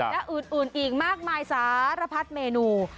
และอื่นอีกมากมายสารพัดเมนู